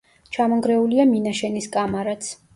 ჩამონგრეულია მინაშენის კამარაც.